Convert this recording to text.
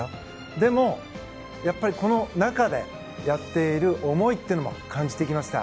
でも、やっぱりこの中でやっている思いというのも感じてきました。